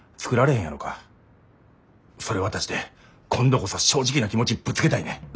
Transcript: それ渡して今度こそ正直な気持ちぶつけたいねん。